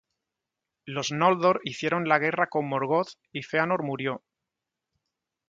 Los Noldor hicieron la guerra con Morgoth y Fëanor murió.